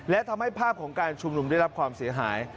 และทำให้ภาพของการชุมนุมได้รับความเสียหาย